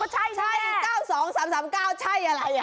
ใช่แม่ใช่เก้าสองสามสามเก้าใช่อะไรอ่ะ